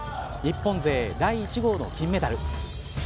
日本勢第１号の金メダル。